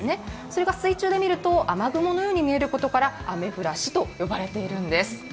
それが水中で見ると、雨雲のように見えることからアメフラシと呼ばれているんです。